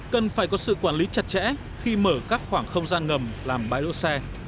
cần phải có sự quản lý chặt chẽ khi mở các khoảng không gian ngầm làm bãi đỗ xe